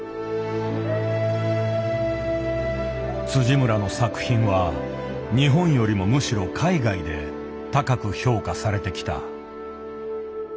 村の作品は日本よりもむしろ海外で高く評価されてきた。